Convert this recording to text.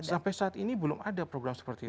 sampai saat ini belum ada program seperti itu